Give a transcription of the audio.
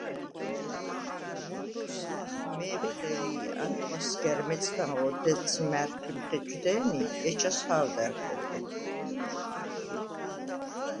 ნა̈ბოზს ლახ მე̄ფხე ლი ი ანტყვასგა̈რ მეწდანღო დეცს მა̈რჴიმ ხეჭვდე̄ნი, ეჩას ჰა̄ვდა̈რ ხოხა.